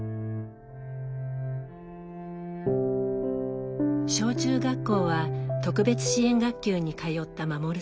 小中学校は特別支援学級に通った護さん。